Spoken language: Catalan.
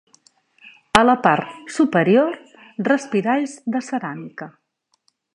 A la part superior, respiralls de ceràmica.